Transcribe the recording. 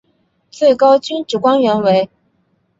最高军职官员为。